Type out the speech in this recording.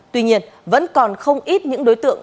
tuy nhiên vẫn còn không ít những đối tượng